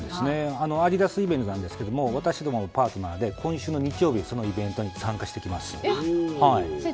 アディダスイベントなんですが私どももパートナーで今週の日曜日、そのイベントに参加してきます。